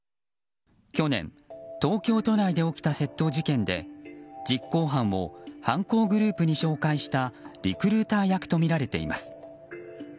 去年、東京都内で起きた窃盗事件で実行犯を犯行グループに紹介したリクルーター役とみられています。